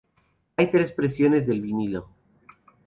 Hay tres presiones del vinilo.